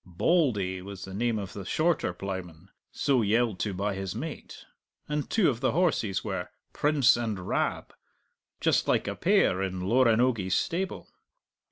"Bauldy" was the name of the shorter ploughman, so yelled to by his mate; and two of the horses were "Prince and Rab" just like a pair in Loranogie's stable.